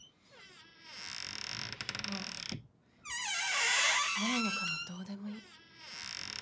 もう何もかもどうでもいい。